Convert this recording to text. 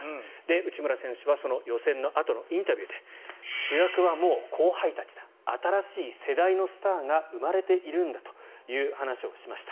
内村選手は予選のあとのインタビューで主役はもう後輩たちだ新しい世代のスターが生まれているんだという話をしました。